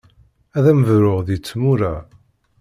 Ad am-bruɣ di tmura.